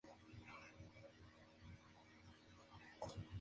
Era aficionado a utilizar el cromatismo.